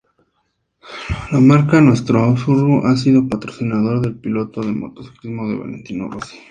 La marca "Nastro Azzurro" ha sido patrocinador del piloto de motociclismo Valentino Rossi.